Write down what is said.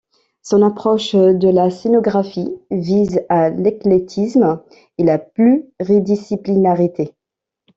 Son approche de la scénographie vise à l’éclectisme et la pluridisciplinarité.